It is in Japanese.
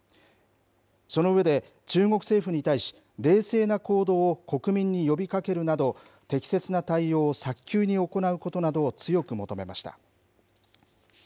その上で、中国政府に対し、冷静な行動を国民に呼びかけるなど、適切な対応を早急に行うことなどを強く求めました。